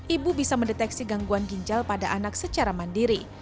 ibu bisa mendeteksi gangguan ginjal pada anak secara mandiri